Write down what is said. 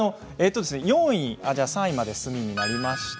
３位まで済みになりました。